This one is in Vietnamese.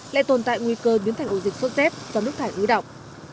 lại tồn tại nguy cơ biến thành ổ dịch sốt z do nước thải ứ động